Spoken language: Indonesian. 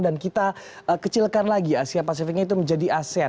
dan kita kecilkan lagi asia pasifiknya menjadi asean